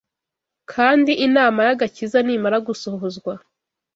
kandi inama y’agakiza nimara gusohozwa,